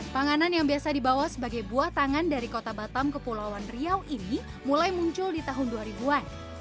panganan yang biasa dibawa sebagai buah tangan dari kota batam kepulauan riau ini mulai muncul di tahun dua ribu an